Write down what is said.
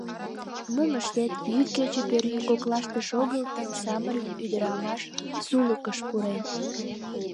Мом ыштет, йӱд-кече пӧръеҥ коклаште шогылтын, самырык ӱдырамаш сулыкыш пурен.